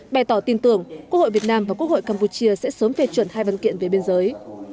bày tỏ tin tưởng quốc hội việt nam và quốc hội campuchia sẽ sớm phê chuẩn hai văn kiện về biên giới